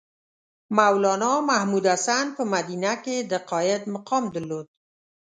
مولنا محمودالحسن په مدینه کې د قاید مقام درلود.